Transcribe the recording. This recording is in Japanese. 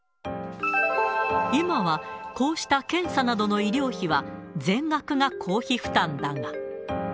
今は、こうした検査などの医療費は、全額が公費負担だが。